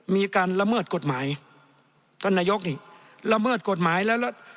มีการละเมิดกฎหมายท่านนายกนี่ละเมิดกฎหมายแล้วแล้ว